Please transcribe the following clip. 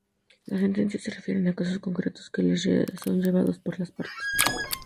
Las sentencias se refieren a casos concretos, que les son llevados por las partes.